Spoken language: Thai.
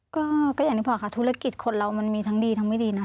ก็อย่างที่บอกค่ะธุรกิจคนเรามันมีทั้งดีทั้งไม่ดีนะ